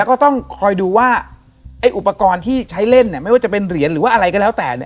ก็ต้องคอยดูว่าไอ้อุปกรณ์ที่ใช้เล่นเนี่ยไม่ว่าจะเป็นเหรียญหรือว่าอะไรก็แล้วแต่เนี่ย